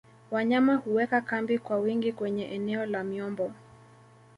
wanyama huweka kambi kwa wingi kwenye eneo la miombo